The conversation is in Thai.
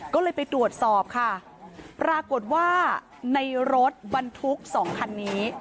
ก็เลยไปตรวจสอบค่ะปรากฏว่าในรถบรรทุกสองคันนี้